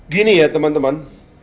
gini ya teman teman